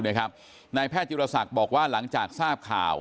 นายแพทย์จิรษักบอกว่าหลังจากทราบข่าว